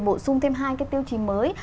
bộ sung thêm hai cái tiêu chí mới